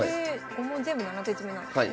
５問全部７手詰なんですね。